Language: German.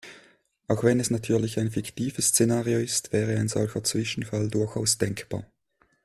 Auch wenn es natürlich ein fiktives Szenario ist, wäre ein solcher Zwischenfall durchaus denkbar.